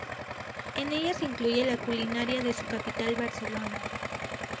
En ella se incluye la culinaria de su capital: Barcelona.